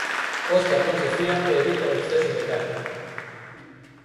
Óscar non se fía e evita o exceso de cálculo.